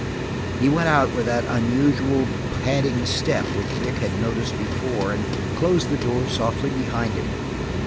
He went out with that unusual, padding step which Vic had noticed before and closed the door softly behind him.